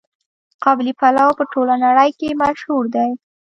قابلي پلو په ټوله نړۍ کې مشهور دی.